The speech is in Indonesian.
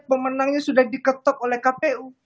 pemenangnya sudah diketok oleh kpu